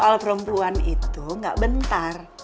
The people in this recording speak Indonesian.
karena perempuan itu gak bentar